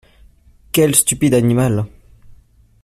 Quel stupide animal !